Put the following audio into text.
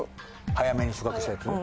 早めに収穫したやつ？